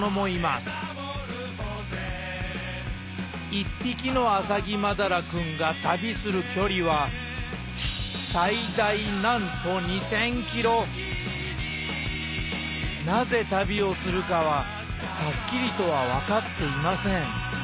一匹のアサギマダラくんが旅する距離はなぜ旅をするかははっきりとは分かっていません。